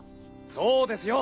そうですよ！